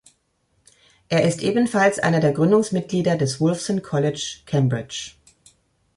Er ist ebenfalls einer der Gründungsmitglieder des Wolfson College, Cambridge.